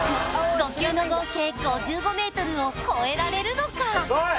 ５球の合計５５ｍをこえられるのか？